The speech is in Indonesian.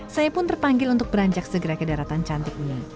saya pun terpanggil untuk beranjak segera ke daratan cantik ini